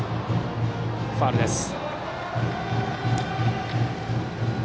ファウルです。